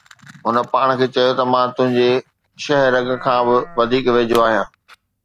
هن پاڻ کي چيو ته مان تنهنجي شہ رگ کان به وڌيڪ ويجهو آهيان